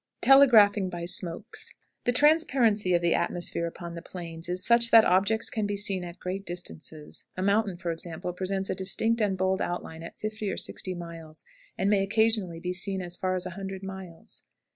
TELEGRAPHING BY SMOKES. The transparency of the atmosphere upon the Plains is such that objects can be seen at great distances; a mountain, for example, presents a distinct and bold outline at fifty or sixty miles, and may occasionally be seen as far as a hundred miles.